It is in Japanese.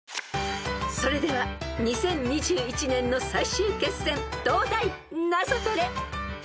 ［それでは２０２１年の最終決戦東大ナゾトレ］